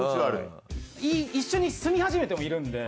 一緒に住み始めてもいるんで。